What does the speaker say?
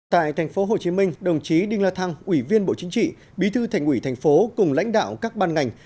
tại tp hcm đồng chí đinh la thăng ủy viên bộ chính trị bí thư thành ủy thành phố cùng lãnh đạo các ban ngành